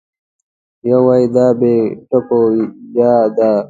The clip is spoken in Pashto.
یو وای دا بې ټکو یا ده